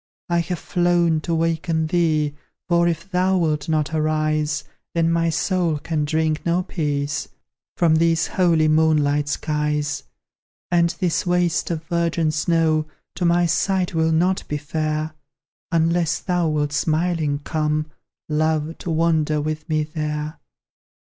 I have flown to waken thee For, if thou wilt not arise, Then my soul can drink no peace From these holy moonlight skies. And this waste of virgin snow To my sight will not be fair, Unless thou wilt smiling come, Love, to wander with me there.